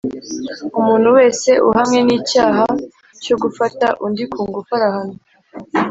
Umuntu wese uhamwe n’icyaha cyo gufata undiku ngufu arahanwa